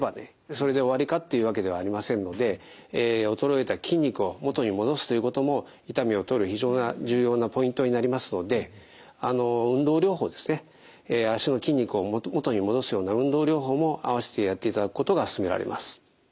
それで終わりかっていうわけではありませんので衰えた筋肉を元に戻すということも痛みを取る非常な重要なポイントになりますので運動療法ですね脚の筋肉を元に戻すような運動療法も併せてやっていただくことが勧められます。